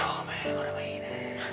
これもいいね。